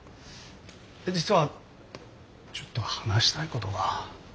実はちょっと話したいことが。